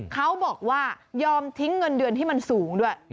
เขาบอกว่ายอมทิ้งเงินเดือนที่มันสูงด้วย